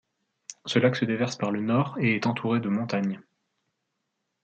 Ce lac se déverse par le Nord et est entouré de montagnes.